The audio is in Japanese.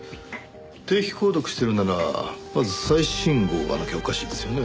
定期購読してるならまず最新号がなきゃおかしいですよね。